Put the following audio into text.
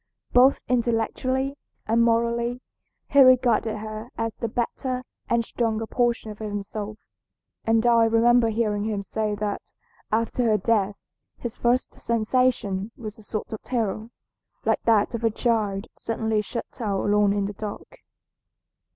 Both intellectually and morally he regarded her as the better and stronger portion of himself, and I remember hearing him say that after her death his first sensation was a sort of terror, like that of a child suddenly shut out alone in the dark.